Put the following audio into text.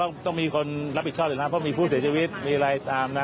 ต้องมีคนรับผิดชอบเลยนะเพราะมีผู้เสียชีวิตมีอะไรตามนะ